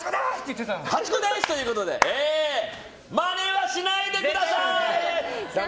８個です！ということでまねはしないでください！